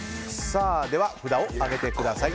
では札を上げてください。